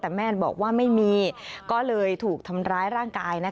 แต่แม่บอกว่าไม่มีก็เลยถูกทำร้ายร่างกาย